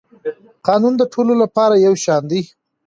قانون د ټولو لپاره یو شان دی.